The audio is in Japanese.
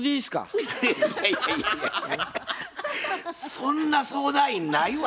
そんな相談員ないわ。